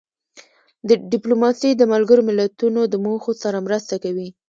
ډیپلوماسي د ملګرو ملتونو د موخو سره مرسته کوي.